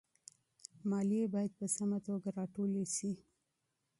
ماليې بايد په سمه توګه راټولي سي.